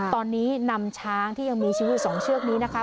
ตอนนี้นำช้างที่ยังมีชีวิตอยู่๒เชือกนี้นะคะ